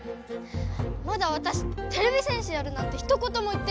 まだわたしてれび戦士やるなんてひと言も言ってないし。